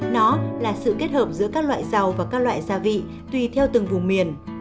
nó là sự kết hợp giữa các loại rau và các loại gia vị tùy theo từng vùng miền